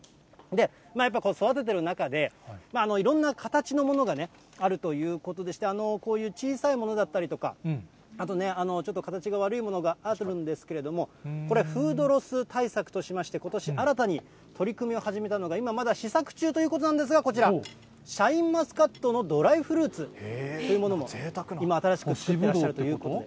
やっぱり育ててる中で、いろんな形のものがあるということでして、こういう小さいものだったりとか、あとね、ちょっと形が悪いものがあるんですけれども、これはフードロス対策としまして、ことし新たに取り組みを始めたのが、今まだ試作中ということなんですが、こちら、シャインマスカットのドライフルーツというものも今、新しく作ってらっしゃるということで。